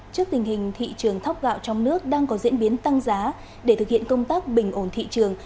trước tình hình thị trường thóc gạo trong nước đang có diễn biến tăng giá để thực hiện công tác bình ổn thị trường